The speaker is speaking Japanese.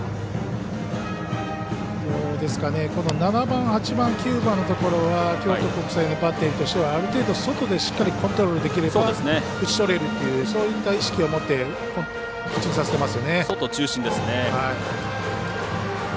７番、８番、９番のところは京都国際のバッテリーとしてはある程度、外でしっかりコントロールできれば打ちとれるっていうそういう意識を持ってピッチングさせてますよね。